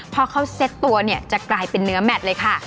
พอเขาเซ็ตตัวเนี่ยจะกลายเป็นเนื้อแมทเลยค่ะ